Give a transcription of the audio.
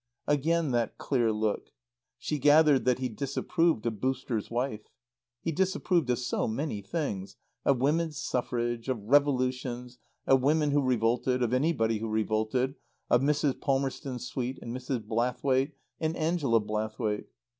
Again that clear look. She gathered that he disapproved of "Booster's" wife. He disapproved of so many things: of Women's Suffrage; of revolutions; of women who revolted; of anybody who revolted; of Mrs. Palmerston Swete and Mrs. Blathwaite and Angela Blathwaite.